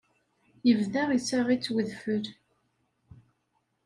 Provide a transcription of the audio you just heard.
Yebda issaɣ-itt wedfel.